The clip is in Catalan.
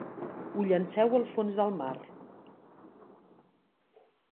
Ho llanceu al fons del mar.